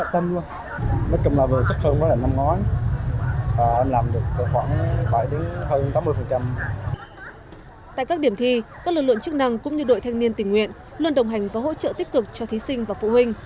tại các điểm thi các lực lượng chức năng cũng như đội thanh niên tình nguyện luôn đồng hành và hỗ trợ tích cực cho thí sinh và phụ huynh